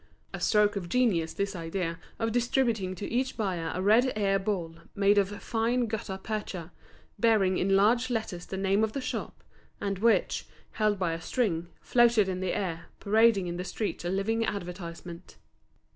A stroke of genius this idea of distributing to each buyer a red air ball made of fine gutta percha, bearing in large letters the name of the shop, and which, held by a string, floated in the air, parading in the streets a living advertisement.